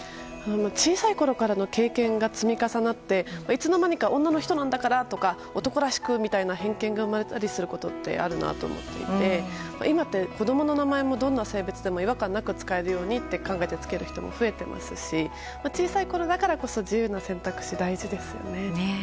小さいころからの経験が積み重なっていつの間にか女の人だからとか男らしくとかっていう偏見が生まれたりすることってあるなと思っていて今って子供の名前もどんな性別でも違和感なく使えるようにと考えてつけてる人もいますし小さいころだからこそ自由な選択肢が大事ですよね。